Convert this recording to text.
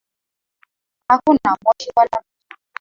Hakuna moshi wala moto.